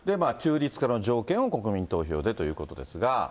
中立化の条件を国民投票でということですが。